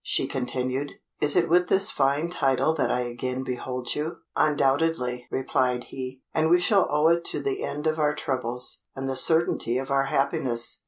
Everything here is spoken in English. she continued. "Is it with this fine title that I again behold you." "Undoubtedly," replied he; "and we shall owe to it the end of our troubles, and the certainty of our happiness."